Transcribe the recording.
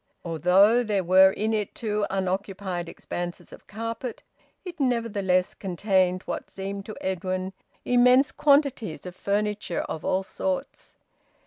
Although there were in it two unoccupied expanses of carpet, it nevertheless contained what seemed to Edwin immense quantities of furniture of all sorts.